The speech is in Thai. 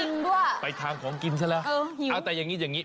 จริงด้วยไปถามของกินใช่ไหมอ้าวแต่อย่างนี้